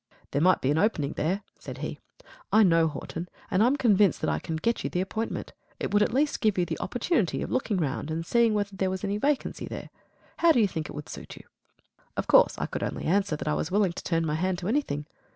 "There might be an opening there," said he. "I know Horton, and I am convinced that I can get you the appointment. It would at least give you the opportunity of looking round and seeing whether there was any vacancy there. How do you think it would suit you?" Of course I could only answer that I was willing to turn my hand to anything.